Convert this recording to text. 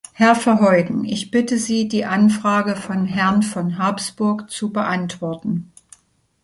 Herr Verheugen, ich bitte Sie, die Anfrage von Herrn von Habsburg zu beantworten.